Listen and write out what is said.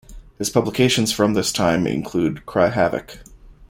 His publications from this time include Cry Havoc!